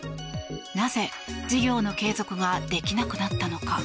なぜ、事業の継続ができなくなったのか。